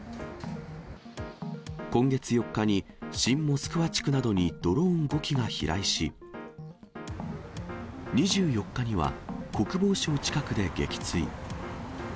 今月４日に新モスクワ地区などにドローン５機が飛来し、２４日には国防省近くで撃墜。